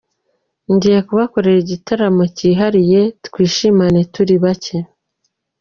Ngiye kubakorera igitaramo cyihariye twishimane turi bake.